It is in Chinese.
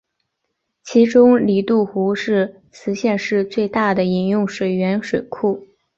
其中里杜湖是慈溪市最大的饮用水源水库。